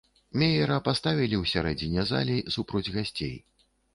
Меера паставілі ў сярэдзіне залі супроць гасцей.